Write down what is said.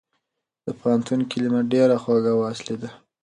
د پوهنتون کلمه ډېره خوږه او اصلي ده.